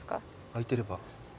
空いてれば。